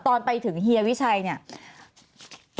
ตอนไปถึงเฮียวิชัยเนี่ย